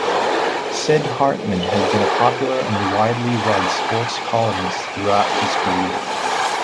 Sid Hartman has been a popular and widely read sports columnist throughout his career.